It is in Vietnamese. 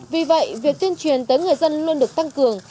vì vậy việc tuyên truyền tới người dân luôn được tăng cường